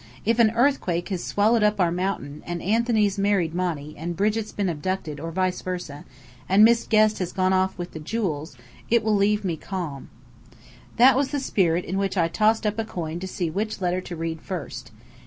If an earthquake has swallowed up our mountain, and Anthony's married Monny, and Brigit's been abducted, or vice versa, and Miss Guest has gone off with the jewels, it will leave me calm." That was the spirit in which I tossed up a coin to see which letter to read first.